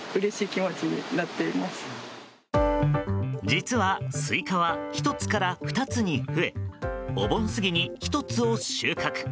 実は、スイカは１つから２つに増えお盆過ぎに１つを収穫。